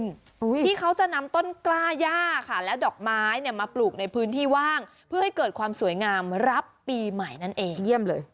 ที่เขาจะนำต้นกล้าย่าค่ะและดอกไม้เนี่ยมาปลูกในพื้นที่ว่างเพื่อให้เกิดความสวยงามรับปีใหม่นั่นเองเยี่ยมเลย